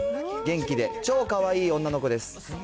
げんきで超かわいい女の子です。